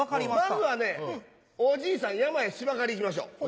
まずはねおじいさん山へ芝刈り行きましょう。